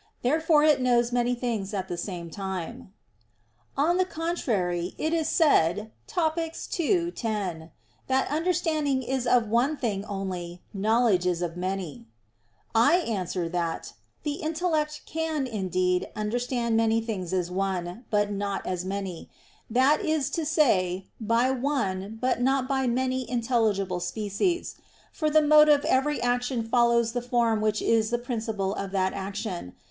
Therefore it knows many things at the same time. On the contrary, It is said (Topic. ii, 10) that "understanding is of one thing only, knowledge is of many." I answer that, The intellect can, indeed, understand many things as one, but not as many: that is to say by one but not by many intelligible species. For the mode of every action follows the form which is the principle of that action.